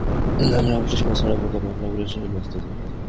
আমরা অবশ্যই সীমা ছাড়াব না, তবে আমরা আগ্রাসী হয়েই ম্যাচটা জিততে চাই।